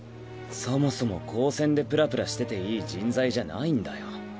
そもそも高専でプラプラしてていい人材じゃないんだよ。